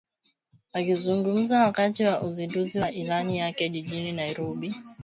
Akizungumza wakati wa uzinduzi wa ilani yake jijini Nairobi